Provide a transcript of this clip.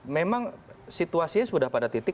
memang situasinya sudah pada titik